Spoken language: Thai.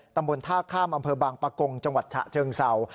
ตำบวนภาค่ามอำเภอบางภาคงจังหวัดชะเชิงเสา